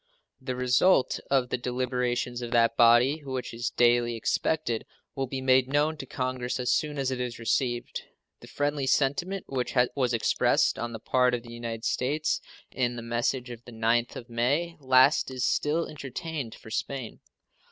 The result of the deliberations of that body, which is daily expected, will be made known to Congress as soon as it is received. The friendly sentiment which was expressed on the part of the United States in the message of the 9th of May last is still entertained for Spain.